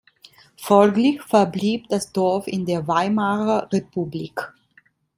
Folglich verblieb das Dorf in der Weimarer Republik.